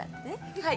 はい。